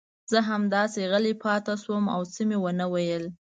زه همداسې غلی پاتې شوم او څه مې ونه ویل.